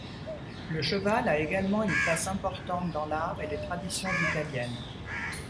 Le cheval a également une place importante dans l'art et les traditions italiennes.